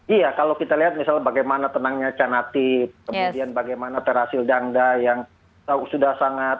iya kalau kita lihat misalnya bagaimana tenangnya canati kemudian bagaimana terhasil dangda yang sudah sangat